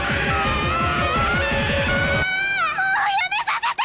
もうやめさせて！